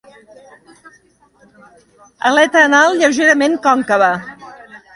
Aleta anal lleugerament còncava.